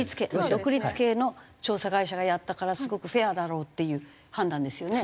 独立系の調査会社がやったからすごくフェアだろうっていう判断ですよね？